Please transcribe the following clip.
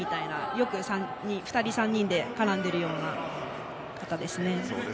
よく２人から３人で絡んでいるような方ですね。